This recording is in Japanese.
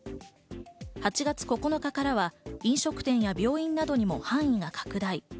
８月９日からは飲食店や病院などにも範囲が拡大。